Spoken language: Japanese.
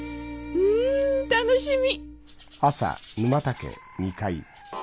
うん楽しみ！